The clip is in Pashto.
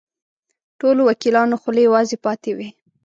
ټولو وکیلانو خولې وازې پاتې وې.